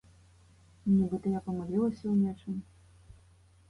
Нібыта я памылілася ў нечым.